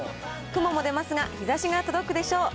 雲も出ますが、日ざしが届くでしょう。